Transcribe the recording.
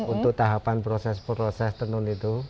untuk tahapan proses proses tenun itu